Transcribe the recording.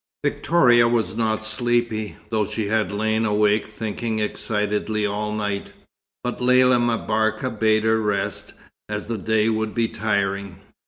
Victoria was not sleepy, though she had lain awake thinking excitedly all night; but Lella M'Barka bade her rest, as the day would be tiring.